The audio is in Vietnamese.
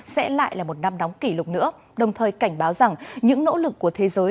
sẽ lại là một năm nóng kỷ lục nữa đồng thời cảnh báo rằng những nỗ lực của thế giới